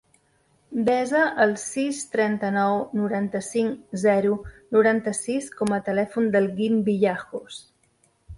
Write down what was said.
Desa el sis, trenta-nou, noranta-cinc, zero, noranta-sis com a telèfon del Guim Villajos.